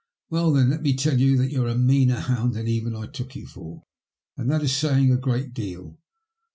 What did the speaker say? Well, then, let me tell you that you're a meaner hound than even I took you for, and that is saying a great deal.